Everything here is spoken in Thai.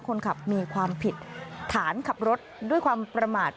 คนขับมีความผิดฐานขับรถด้วยความประมาท